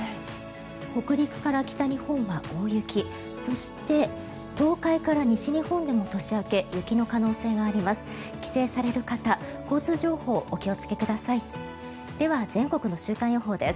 北陸から北日本は大雪そして、東海から西日本でも年明け、雪の可能性があります。